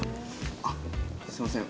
あっすいません。